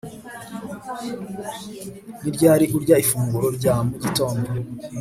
Ni ryari urya ifunguro rya mu gitondo